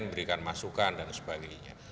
memberikan masukan dan sebagainya